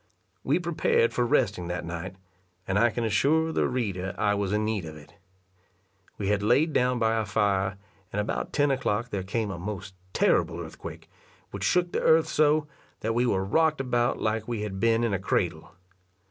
We prepared for resting that night, and I can assure the reader I was in need of it. We had laid down by our fire, and about ten o'clock there came a most terrible earthquake, which shook the earth so, that we were rocked about like we had been in a cradle.